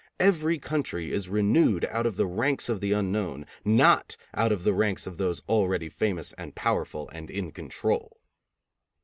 Every country is renewed out of the ranks of the unknown, not out of the ranks of those already famous and powerful and in control.